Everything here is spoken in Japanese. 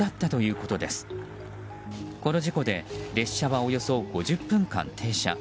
この事故で列車はおよそ５０分間停車。